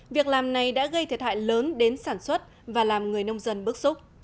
việc làm này đã gây thiệt hại lớn đến sản xuất và làm người nông dân bức xúc